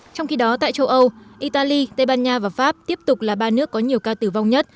trong khi đó tại châu âu italy tây ban nha và pháp tiếp tục là ba nước có nhiều ca tử vong nhất